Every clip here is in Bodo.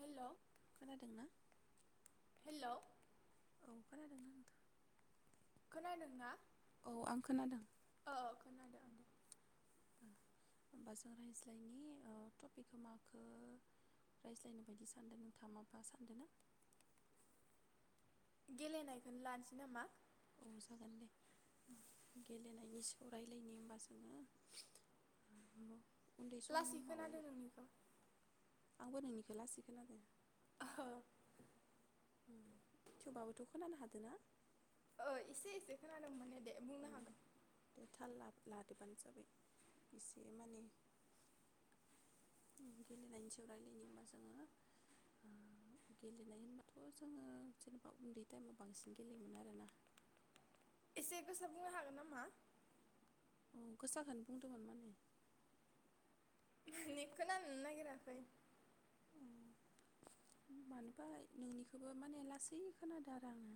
हेलौ खोनादों ना? हेलौ खोनादों ना नोंथां? खोनादों ना? औ आं खोनादों ओ ओ खोनादों। होमबा जों रायज्लायनि ओ टपिकखौ माखौ रायज्लायनो बायदि सानदों नोंथाङा माबा सानदों ना? गेलेनायखौनो लानोसै नामा? औ जागोन दे गेलेनायनि सायाव रायलायनि होमबा जोङो। उन्दै लासै समाव खोनादों नोंनिखौ आंबो नोंनिखौ लासै खोनादों। हो थेवबाबोथ खोनानो हादों ना? ओ एसे एसे खोनादों माने दे बुंनो औ हागोन दे थाल ला लादोबानो जाबाय एसे माने गेलेनायनि सायाव रायलायनि होमबा जोङो। ओ गेलेनाय होनबाथ जोङो जेनेबा उन्दै टाइमाव बांसिन गेलेयोमोन आरोना। एसे गोसा बुंनो हागोन नामा? औ गोसाखौ बुंदोंमोन माने माने खोनानो नागिराखै। अ मानोबा नोंनिखौबो माने लासै खोनादों आरो आङो।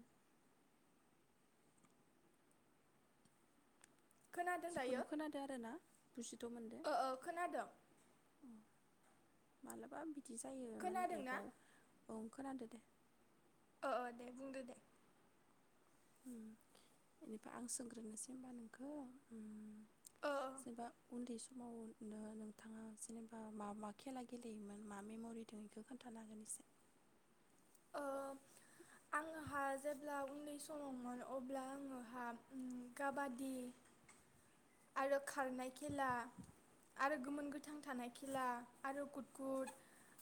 खोनादों जिखुनु दायो खोनादों आरो ना बुजिथ मोनदो। ओ ओ खोनादों मालाबा बिदि जायो माने खोनादों ना एपाव औ खोनादों दे ओ ओ दे बुंदो दे बेनिफ्राय आं सोंग्रोनोसै होनबा नोंखौ उम ओ जेनेबा उन्दै समाव नोङो नोंथाङा जेनेबा मा मा खेला गेलेयोमोन मा मेमरि दं बेखौ खोन्थानो हागोन एसे ओ आंहा जेब्ला उन्दै समावमोन अब्ला आङोहा ओ काबादि आरो खारनाय खेला आरो गोमोन गोथां थानाय खेला आरो गुदखुद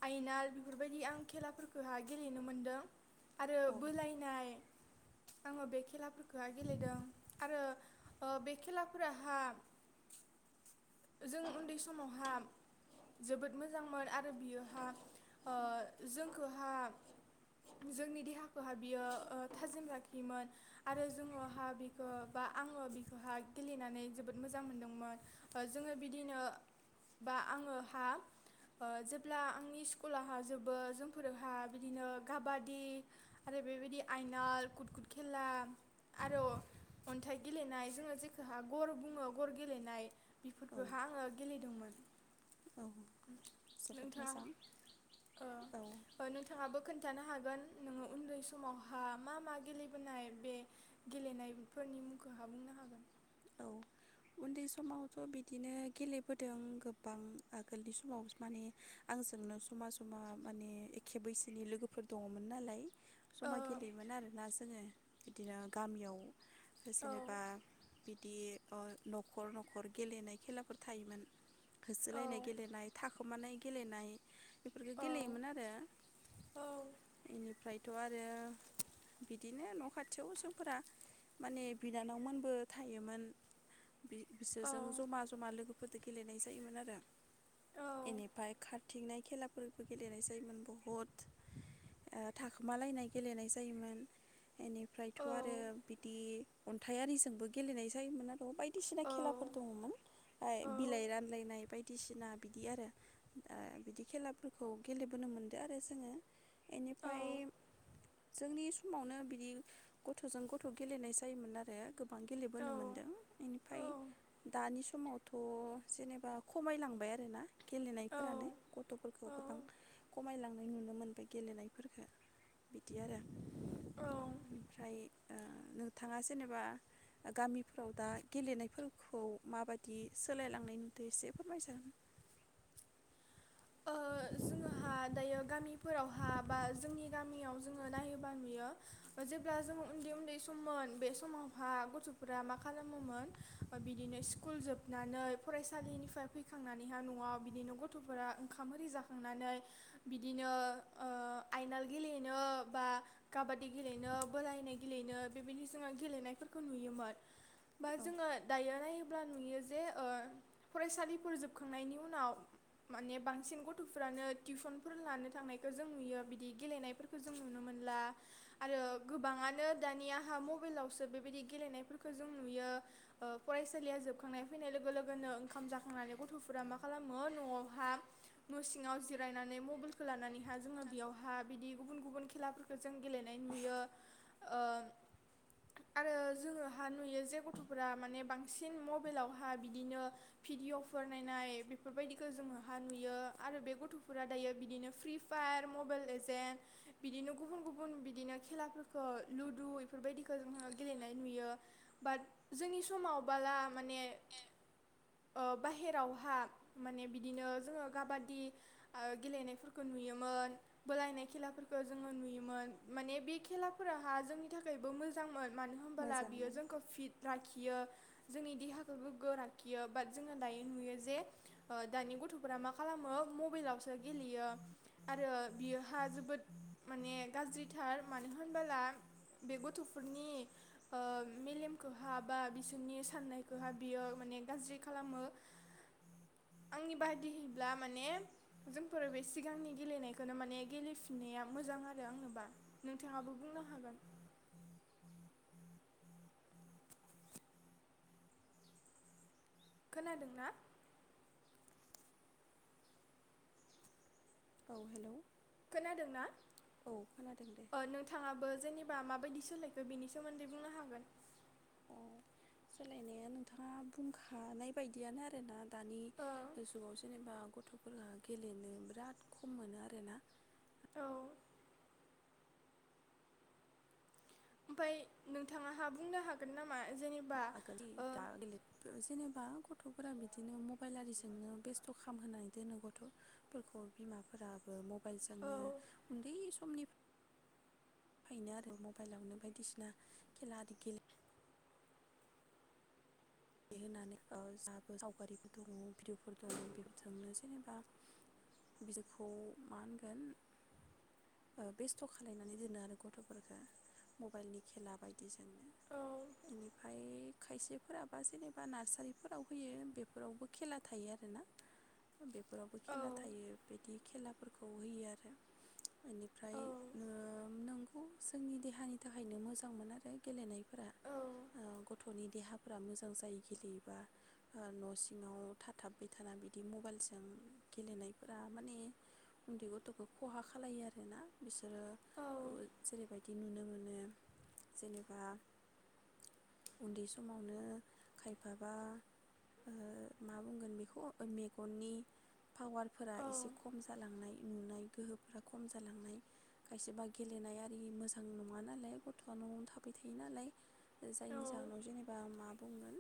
आयनार बेफोरबायदि आं खेलाफोरखौहाय गेलेनो मोनदों। आरो औ बोलायनाय आङो बे खेलाफोरखोहाय गेलेदों आरो ओ बे खेलाफोरा हा जों उन्दै समावहा जोबोद मोजांमोन आरो बियोहा ओ जोंखौहा जोंनि देहाखौहा बियो ओ थाजिम लाखियोमोन आरो जोङोहा बिखौ बा आङो बिखौहा गेलेनानै जोबोद मोजां मोनदोंमोन। जोङो बिदिनो बा आङोहा ओ जेब्ला आंनि स्कुलाहा जोबो जोंफोरोहा बिदिनो काबादि आरो बेबायदि आयनाल कुद कुद खेला आरो अन्थाइ गेलेनाय जोङो जेखौ गर बुङो गर गेलेनाय औ बिफोरफोरखौहा आङो गेलेदोंमोन औ जोबोद नोंथां मोजां ओ औ ओ नोंथाङाबो खोन्थानो हा गोन नोङो उन्दै समावहा मा मा गेलेबोनाय बे गेलेनायफोरनि मुंखौ हा बुंनो हागोन औ उन्दै समावथ बिदिनो गेलेबोदों गोबां आगोलनि समाव माने आंजोंनो समा समा माने एखे बैसोनि लोगोफोर दङमोन नालाय। ओ जमा गेलेयोमोन आरो ना जोङो बिदिनो गामियाव औ जेनेबा बिदि ओ नखर नखर गेलेनाय खेलाफोर थायोमोन औ होसोलायनाय गेलेनाय था खुमानाय गेलेनाय बेफोरखौ औ गेलेयोमोन आरो औ इनिफ्राय थ आरो बिदिनो न खाथियाव जोंफोरा माने बिनानावमोनबो थायोमोन बि औ सोरजों जमा जमा लोगो गोदो गेलेनाय जायोमोन आरो बेनिफ्राय खारथिंनाय खेलाफोरबो गेलेनाय जायोमोन बहुद ओ थाखोमालायनाय गेलेनाय जायोमोन एनि ओमफ्रायथ औ आरो औ बिदि अन्थाइारिजोंबो गेलेनाय जायोमोन आरो बाय बायदिसिना खेलाफोर दङमोन आय बिलाइ रानलायनाय बायदि बायदिसिना बिदि आरो ओ बिदि खेलाफोरखौ गेलेबोनो मोनदों आरो जोङो बेनिफ्राय जोंनि समावनो बिदि गथजों गथ गेलेनाय जायोमोन आरो गोब गोबां गेलेबोनो मोन्दों बेनिफ्राय दानि समाव थ जेनेबा खमायलांबाय आरोना गेलेनायफोरानो गथफोरखौ गोबां खमायलां नुनो मोनबाय गेलेनायफोरफोरखौ बिदि आरो ओमफ्राय नोंथाङा जेनेबा गामिफोराव दा गेलेनायफोरखौ माबायदि सोलायलांनायनि नुदों एसे फोरमायसाय ओ जोंहा दायो गामिफोरावहा बा जोंनि गामियाव जोङो नायोबा नुयो जेब्ला जोंङो उन्दै-उन्दै सममोन बे समावहा गथफोरा मा खालामोमोन बिदिनो स्कुल जोबनानै फरायसालिनिफ्राय फैखांनानैहा नआव बिदिनो गथफोरा ओंखाम आरि जाखांनानै बिदिनो आयनाल गेलेनो बा काबादि गेलेनो बोरायनाय गेलेनो बेबायदि जोङो गेलेनायफोरखौ नुयोमोन बा औ जोङो दायोनाय ब्ला नुयो जे फरायसालिफोर जोबखांनायनि उनाव माने बांसिन बांसिन गथफ्रानो टिउसनफोर लानो थांनायखौ जों नुयो बिदि गेलेनायफोरखौ जों नुनो मोनला आरो गोबाङानो दानियाहा मबाइलावसो बेबायदि गेलेनायफोरखौ जों नुयो फरायसालिया जोबखांनाय फैनाय लोगो लोगोनो ओंखाम जाखांनानै गथफोरा मा खालामो नआवहा न सिङाव जिरायनानै मबाइलखौ लानानैहाय जोङो बेयावहा बिदि गुबुन-गुबुन खेलाफोरखौ जों गेलेनाय नुयो आरो जोङोहा नुयो जे गथफोरा माने बांसिन मबाइलावहा बिदिनो भिडिअ फोर नायनाय बेफोरबायदिखौ जोङोहा नुयो आरो बे गथफोरा दायो बिदिनो फ्रि फायार मबाइल एजेन्ट बिदिनो गुबुन गुबुन बिदिनो खेलाफोरखौ लुदु बेफोरबायदिखौ जोङो गेलेनाय नुयो बाट जोंनि समाव बाला माने बाहेरावहा माने बिदिनो जोङो गाबाद बादि गेलेनायफोरखौ नुयोमोन बोलायनाय खेलाफोरखौ जोङो नुयोमोन माने बे खेलाफोराहा जोंनि थाखायबो मोजांमोन मानो होनबोला मोजां बियो जोंखौ फिट लाखि बियो जोंनि देहाखौ गोग्गो लाखियो बाट जोङो दायो नुयो जे दानि गथफोरा मा खालामो मबाइलावसो गेलेयो आरो बियोहा जोबोद माने गाज्रिथार मानो होनबोला बे गथफोरनि मेलेमखौहा बा बिसोरनि साननायखौहा बियो माने गाज्रि खालामो आंनि बादिब्ला माने जोंफोर बे सिगांनि गेलेनायखौनो माने गेलेफिननाया मोजां आरो आंनोबा नोंथाङाबो बुंनो हागोन खोनादों ना औ हेल खोनादों ना दे नोंथाङाबो जेनबा बा माबायदि सोलायखो बेनि सोमोन्दै बुंनो हागोन औ सोलायनाया नोंथाङा बुंखानाय बायदियानो आरोना दानि ओ जुगाव जेनेबा गथफोरा गेलेनो बिराद खम मोनो आरोना औ ओमफाय ओमफ्राय नोंथांहा बुंनो हागोन नामा जेनेबा- आगलि ओ दा आगलि दसेनो बा गथफोरा बिदिनो मबाइल आरिजोंनो बेस्थ खामहोनानै दोनो गथफोरखौ बिमाफोराबो औ मबाइलजोंनो उन्दै समनिफ्रायनो आरो मबाइलावनो बायदिसिना खेला आरि गेले होनानै ओ जाबो सावगारिफोरखौ दङ भिडअफोर दङ बेफोरजोंनो जेनेबा बिखौ मा होनगोन बेस्थ खालायनानै दोनो आरो गथफोरखौ मबाइलनि खेला बायदिजोंनो औ बेनिफ्राय खायसेफोरा बा जेनेबा नार्सारिफोराव होयो बेफोरावबो खेला थायो आरोना बेफोरावबो औ खेला थायो बिदि खेलाफोरखौ होयो आरो बेनिफ्राय औ नो नों उम जोंनि देहानि थाखायनो मोजां मोन आरो गेलेनाय फोरा औ ओ गथनि देहा फ्रा मोजां जायो गेलेयोबा न सिङाव थाथाबबाय थाना बिदि मबाइलजों गेलेनायफोरा माने उन्दै गथखौ खहा खालो आरोना बिसो रो औ ओ जेरैबायदि नुनो मोनो जेनेबा उन्दै स मावनो खायफाबा ओ मा बुंगोन बेखौ मेगननि पावारफोरा एसे औ खम जालांनाय नुनाय गोहोफोरा खम जालांनाय खायसेबा गेलेनाय आरि मोजां नङा नालाय गथआ नआवनो थाबाय थायो नालाय जायनि जाहोनाव जेने मा बुंगोन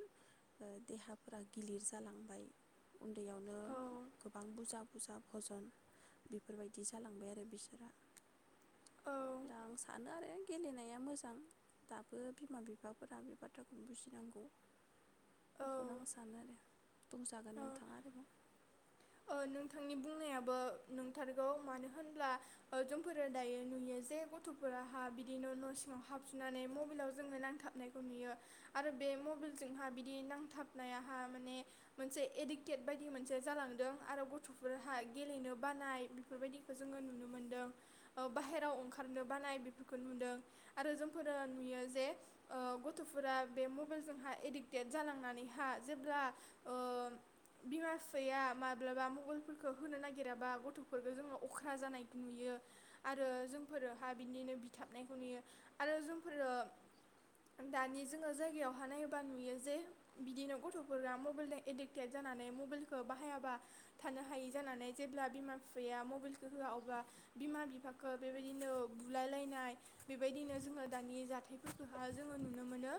देहाफोरा गिलिर जालांबाय उन्दैयावनो गोबां बुरजा फुजा भजन बेफोरबायदि जालांबाय आरो बिसोरा अब्ला आं सानो आरो गेलेनाया मोजां दाबो बिमा बिफाफोरा बे बाथ्रा बुजिनांगौ औ बेखौनो आं सानो आरो बुंजागोन औ नोंथाङा आरोबाव नोंथांनि बुंनायाबो नंथारगौ मानो होनब्ला जोंफोरो दायो नुयो जे गथफोराहा बिदिनो न' सिङाव हाबजुनानै मबाइलाव जोंनो नांथाबनायखौ नुयो आरो बे मबाइलजोंहा बिदि नांथाबनायाहा माने मोनसे एडिक्टेड बायदि मोनसे जालांदों आरो गथ'फोरहा गेलेनो बानाय बेफोरबायदिखौ जोङो नुनो मोनदों। बाहेरायाव ओंखारनो बानाय बेफोरखौ नुदों आरो जोंफोरो नुयो जे गथ'फोरा बे मबाइलजोंहाय एडिक्टेड जालांनानैहा जेब्ला बिमा फिफाया मा ब्लाबा मबाइलफोरखौ होनो नागिराबा गथ'फोरफोरखौ जोंङो अख्रा जानायखौ नुयो आरो जोंफोरोहा बिदिनो बिथाबनायखौ नुयो आरो जोंफोरो दानि जोङो जायगायावहाय नायोब्ला नुयो जे बिदिनो गथ'फोरा मबाइलजों एडिक्टेड जानानै मबाइलखौ बाहायाबा थानो हायि जानानै जेब्ला बिमा बिफाया मबाइलखौ होआ अबब्ला बिमा बिफाखौ बेबायदिनो बुलाय लायनाय बेबायदिनो जोङो दानि जाथायफोरखौह जोङो नुनो मोनो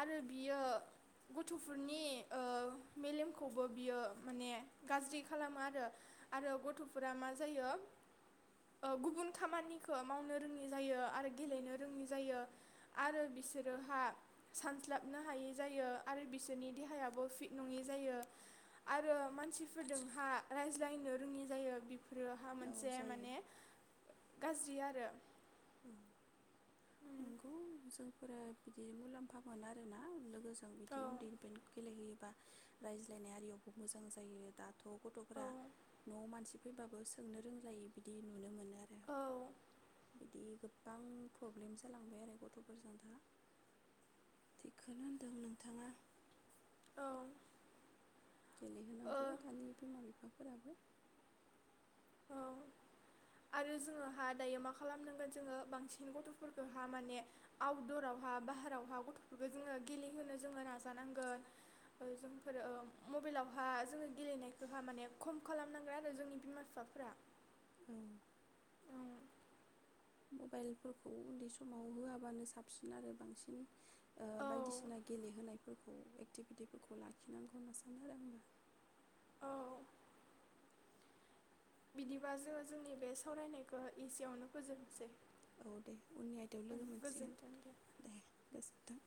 आरो बियो गथ'फोरनि मेलेमखौबो बियो माने गाज्रि खालामो आरो आरो गथ'फोरा मा जायो गुबुन खामानिखौ मावनो रोङि जायो आरो गेलेनो रोङि जायो आरो बिसोरोहा सानस्लाबनो हायै जायो आरो बिसोरनि देहायाबो फिट नङि जायो आरो मानसिफोरजोंहा रायज्लायनो रोङि जायो बेफो रहा औ मोनसे जायो माने गाज्रि आरो औ उम फोर बिदि मुलाम्फा मोन आरोना मोजां बिदि उन्दैनिफ्रायनो गेलेहोयो बा रायज्लायनाय आरियावबो मोजां जायो दाथ औ गथ'फोररा नआव मानसि फैबाबो सोंनो रोंलाय बिदि नुनो मोनो आरो औ बिदि गोबां प्रब्लेम जालांबाय आरो गथ'फोरजों दा थिखौनो होनदों नोंथाङा। औ। ओ गेलेहोनांगौ दानि बिमा बिफाफोराबो औ आरो जोङोहा दायो मा खालामनांगोन जोङो बांसिन गथफोरखौहा माने आउटदरावहा बाहारावहा गथ'फोरखौ जोङो गेलेहोनो जोङो नाजानांगोन जोंफोरो मबाइलावहा जोङो गेलेनायखौहा माने खम खालामनांगोन आरो जोंनि बिमा बिफा उम मबाइलफोरखौ उन्दै समाव होआबानो साबसिन आरो बांसिन ओ औ बायदिसिना गेलेहोनाय फोरखौ एक्टिभिटिफोरखौ लाखिनांगौ होनना सानो आरो आंबो औ बिदिबा जोङो जोंनि बे सावरायनायखौ इसेयावनो फोजोबनोसै औ दे उननि आयदायाव लोगो मोनसिगोन दे गोजोन थों